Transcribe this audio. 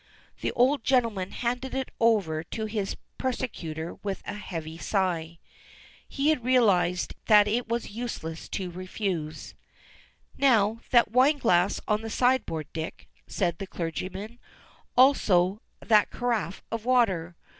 The old gentleman handed it over to his persecutor with a heavy sigh. He had realized that it was useless to refuse. "Now that wine glass on the sideboard, Dick," said the clergyman, "also that carafe of water.